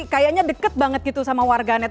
kayaknya dekat banget gitu sama warga net